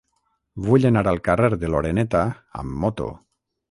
Vull anar al carrer de l'Oreneta amb moto.